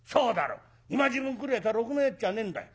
今時分来るやつはろくなやつじゃねえんだよ。